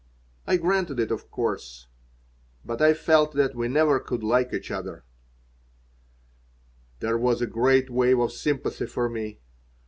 I granted it, of course, but I felt that we never could like each other There was a great wave of sympathy for me.